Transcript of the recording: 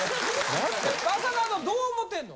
正門どう思ってんの？